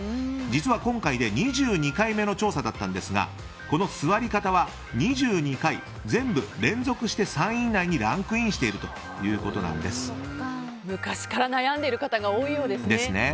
実は今回で２２回目の調査だったんですがこの座り方は２２回、全部連続して３位以内にランクインしている昔から悩んでいる方が多いようですね。